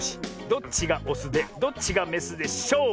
どっちがオスでどっちがメスでしょう？